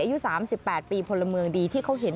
อายุ๓๘ปีพลเมืองดีที่เขาเห็น